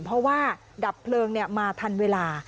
เพราะว่าดับเพลิงมาทันเวลา